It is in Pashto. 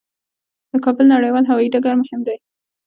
د کابل نړیوال هوايي ډګر مهم دی